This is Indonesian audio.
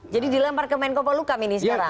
jadi dilampar ke menko polukam ini sekarang